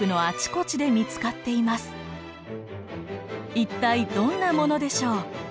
一体どんなものでしょう。